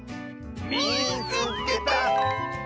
「みいつけた！」。